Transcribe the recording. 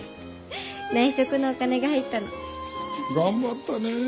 内職のお金が入ったの。頑張ったね！